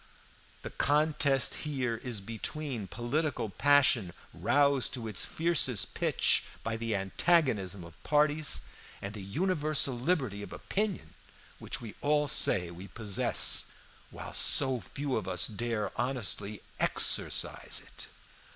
"The contest here is between political passion roused to its fiercest pitch by the antagonism of parties, and the universal liberty of opinion, which we all say we possess, while so few of us dare honestly exercise it.